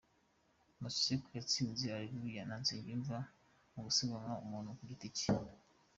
Mekseb yatsinze Areruya na Nsengimana mu gusiganwa umuntu ku giti cye.